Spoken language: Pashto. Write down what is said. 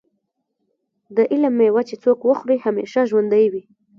د علم مېوه چې څوک وخوري همیشه ژوندی وي.